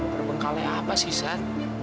terbengkalai apa sih sat